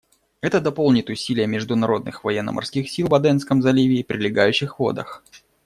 Это дополнит усилия международных военно-морских сил в Аденском заливе и прилегающих водах.